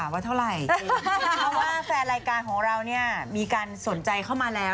เพราะว่าแฟนรายการของร้านี้มีการสนใจเข้ามาแล้ว